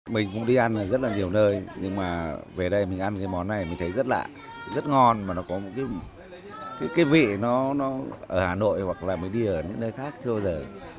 mình cũng đi ăn rất là nhiều nơi nhưng mà về đây mình ăn cái món này mình thấy rất lạ rất ngon mà nó có một cái vị nó ở hà nội hoặc là mình đi ở những nơi khác chưa bao giờ